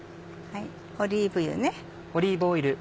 オリーブ油ね。